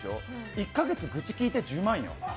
１か月愚痴聞いて１０万よ。